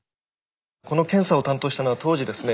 この検査を担当したのは当時ですね